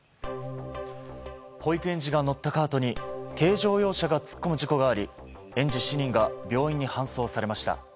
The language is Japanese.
保育園児が乗ったカートに軽乗用車が突っ込む事故があり園児７人が病院に搬送されました。